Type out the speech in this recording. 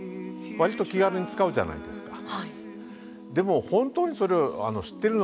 割と気軽に使うじゃないですか。